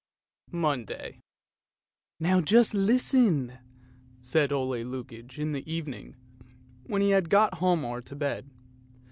MONDAY " Now, just listen! " said Ole Lukoie, in the evening, when he had got Hialmar to bed.